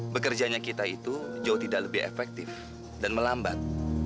bekerjanya kita itu jauh tidak lebih efektif dan melambat